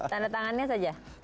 tanda tangannya saja